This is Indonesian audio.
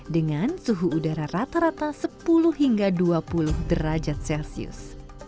dengan suhu udara rata rata sepuluh hingga dua puluh derajat celcius